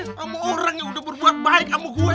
sama orang yang udah berbuat baik sama gua